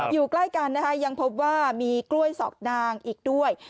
อยู่ใกล้กันนะคะยังพบว่ามีกล้วยสอกนางอีกด้วย